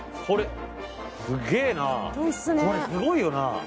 これすごいよな。